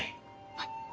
はい。